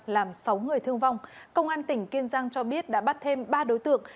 làm sáu người thương vong công an tỉnh kiên giang cho biết đã bắt thêm ba đối tượng